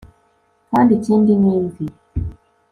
kandi ikindi ni imvi